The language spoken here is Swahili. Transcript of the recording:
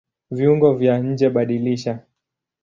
Viungo vya njeBadilisha